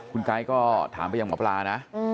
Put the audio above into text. คุณไก๊ก็ถามไปยังหมอปลานะ